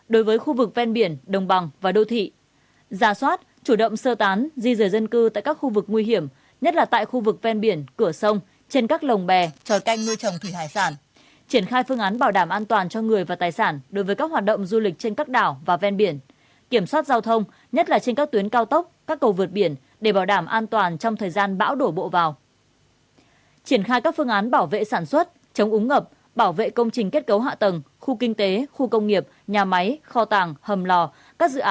đối với khu vực ven biển đồng bằng và đô thị ra soát chủ động sơ tán di rời dân cư tại các khu vực nguy hiểm nhất là tại khu vực ven biển cửa sông trên các lồng bè trò canh nuôi trồng thủy hải sản triển khai phương án bảo đảm an toàn cho người và tài sản đối với các hoạt động du lịch trên các đảo và ven biển kiểm soát giao thông nhất là trên các tuyến cao tốc các cầu vượt biển để bảo đảm an toàn trong thời gian bão đổ bộ vào